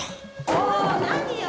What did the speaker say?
もう何よ！